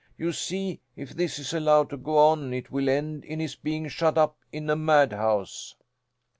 You see, if this is allowed to go on it will end in his being shut up in a madhouse."